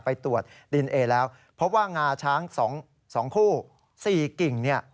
ไปตรวจดินเอแล้วเพราะว่างงาช้าง๒คู่๔กิ่ง